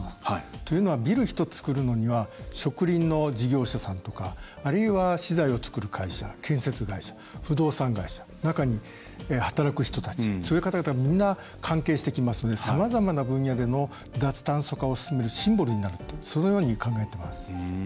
というのはビル１つ造るのには植林の事業者さんとかあるいは資材をつくる会社建設会社、不動産会社中で働く人たちそういう方々、みんな関係してきますのでさまざまな分野での脱炭素化を進めるシンボルになるとそのように考えています。